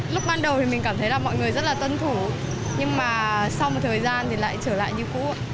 lúc ban đầu thì mình cảm thấy là mọi người rất là tuân thủ nhưng mà sau một thời gian thì lại trở lại như cũ ạ